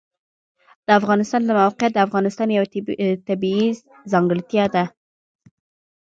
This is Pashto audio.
د افغانستان د موقعیت د افغانستان یوه طبیعي ځانګړتیا ده.